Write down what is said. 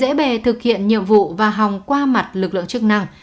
dễ bề thực hiện nhiệm vụ và hòng qua mặt lực lượng chức năng